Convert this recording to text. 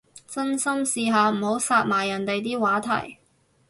真心，試下唔好殺埋人哋啲話題